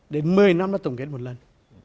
đến một mươi năm là tổng kết một lần